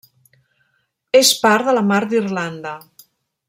És part de la Mar d'Irlanda.